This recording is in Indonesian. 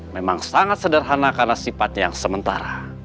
memang sangat sederhana karena sifatnya yang sementara